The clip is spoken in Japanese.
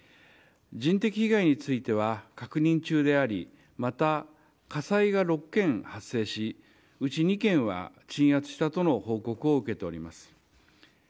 人的被害については確認中でありまた火災が６件発生しうち２件は鎮圧したとの報告を受けております。